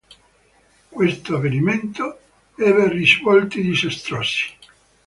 Questo avvenimento ebbe risvolti disastrosi.